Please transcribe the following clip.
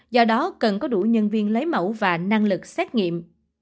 do đó cần có đủ nhân viên lấy mẫu và năng lực xét nghiệm